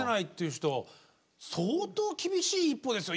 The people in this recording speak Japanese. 人相当厳しい一歩ですよ